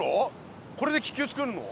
これで気球つくるの？